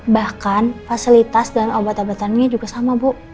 bahkan fasilitas dan obat obatannya juga sama bu